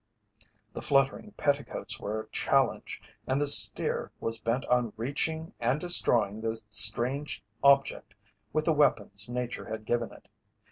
The fluttering petticoats were a challenge, and the steer was bent on reaching and destroying the strange object with the weapons nature had given it.